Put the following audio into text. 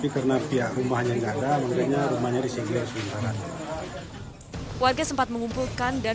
karena biar rumahnya enggak ada makanya rumahnya disini sementara warga sempat mengumpulkan dan